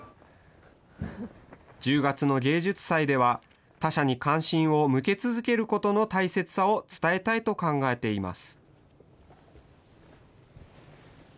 １０月の芸術祭では、他者に関心を向け続けることの大切さを伝えたいと考えています。